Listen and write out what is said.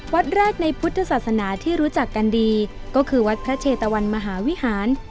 วัดแรกในพุทธศาสนาที่รู้จักกันดีก็คือวัดพระเชตะวันมหาวิหาร